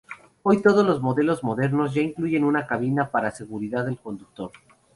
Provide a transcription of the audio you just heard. Hoy todos los modelos modernos ya incluyen una cabina para seguridad del conductor.